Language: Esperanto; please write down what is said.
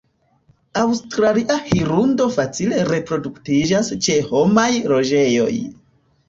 Aŭstralia hirundo facile reproduktiĝas ĉe homaj loĝejoj.